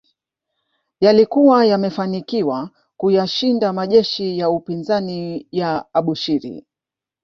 Yalikuwa yamefanikiwa kuyashinda majeshi ya upinzani ya Abushiri